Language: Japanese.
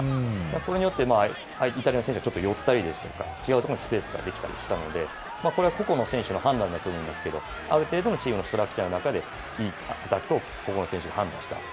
これによって、イタリアの選手はちょっと寄ったりですとか、違う所にスペースができたりしたので、これは個々の選手の判断だと思いますけれども、ある程度のチームのの中で、いい攻撃だと選手が判断したと。